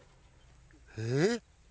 えっ？